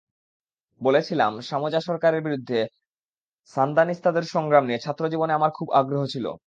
বলেছিলাম সামোজা সরকারের বিরুদ্ধে সান্দানিস্তাদের সংগ্রাম নিয়ে ছাত্রজীবনে আমার খুব আগ্রহ ছিল।